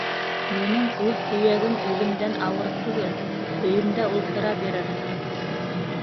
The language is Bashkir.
Минең үҙ һөйәгем үҙемдән ауыр түгел, өйөмдә ултыра бирер.